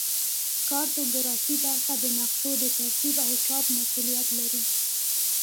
کارتوګرافي برخه د نقشو د ترتیب او چاپ مسوولیت لري